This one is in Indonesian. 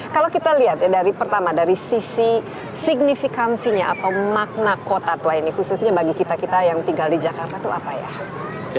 kalau kita lihat ya pertama dari sisi signifikansinya atau makna kota tua ini khususnya bagi kita kita yang tinggal di jakarta itu apa ya